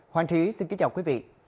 hoàng trí xin kính chào quý vị